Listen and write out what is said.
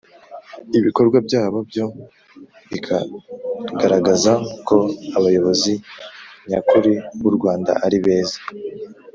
ibikorwa byabo byo bikagaragaza ko abayobozi nyakuri b' u rwanda ari beza